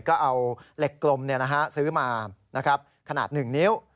ก็เอาเหล็กกลมซื้อมาขนาด๑นิ้ว